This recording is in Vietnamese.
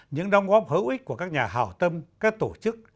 những đóng góp hữu ích của các nhà hào tâm các tổ chức